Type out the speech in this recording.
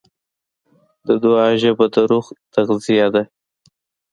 د دعا ژبه د روح تغذیه ده.